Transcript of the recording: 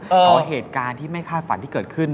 เพราะเหตุการณ์ที่ไม่คาดฝันที่เกิดขึ้น